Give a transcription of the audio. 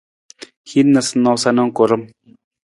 Hin noosanoosa na karam.